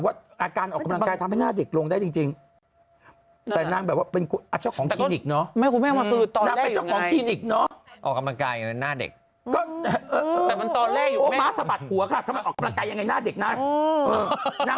พยายามทำผมให้พี่ธัญญาเนี่ยดูแก่มากนะ